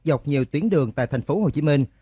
dọc nhiều tuyến đường tại thành phố hồ chí minh